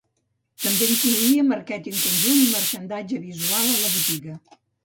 També incloïa màrqueting conjunt i marxandatge visual a la botiga.